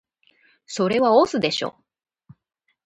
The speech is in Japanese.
それは押忍でしょ